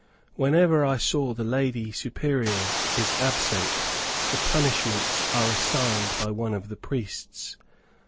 Whenever the Lady Superior is absent the punishments are assigned by one of the priests.